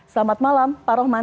selamat malam pak rahman